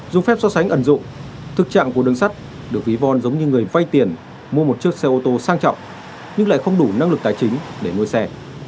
dù phép so sánh ẩn dụng thực trạng của đường sắt được ví von giống như người vay tiền mua một chiếc xe ô tô sang trọng nhưng lại không đủ năng lực tài chính để mua xe